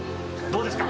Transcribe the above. どうですか？